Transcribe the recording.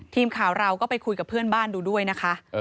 ทีมข่าวเราก็ไปคุยกับเพื่อนบ้านดูด้วยนะคะ